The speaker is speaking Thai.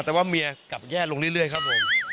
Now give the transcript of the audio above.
แต่ว่าเมียกลับแย่ลงเรื่อยครับผม